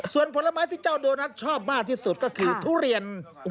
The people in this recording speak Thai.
ส่วนผลไม้ที่เจ้าโดนัทชอบมากที่สุดก็คือทุเรียน